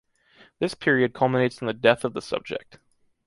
This period culminates in the death of the subject.